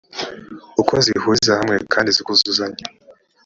uko zihuriza hamwe kandi zikuzuzanya